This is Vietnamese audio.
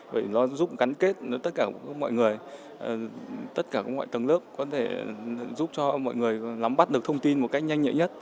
vì nó giúp gắn kết tất cả mọi người tất cả mọi tầng lớp có thể giúp cho mọi người lắm bắt được thông tin một cách nhanh nhẹ nhất